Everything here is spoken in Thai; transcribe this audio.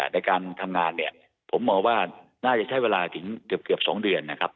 ในการทำงานผมเอาว่าน่าจะใช้เวลาถึงเกือบ๒เดือน